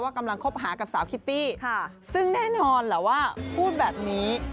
กำลังคบหากับสาวคิตตี้ซึ่งแน่นอนแหละว่าพูดแบบนี้